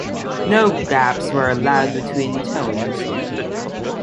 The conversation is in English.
No gaps were allowed between tones.